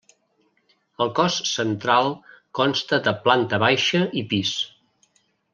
El cos central consta de planta baixa i pis.